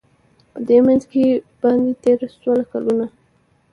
په دې منځ کي باندی تېر سوله کلونه